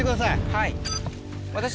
はい。